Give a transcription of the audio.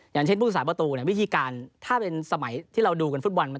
อย่างเช่นฟุตศาสตร์ประตูเนี่ยวิธีการถ้าเป็นสมัยที่เราดูกันฟุตบอล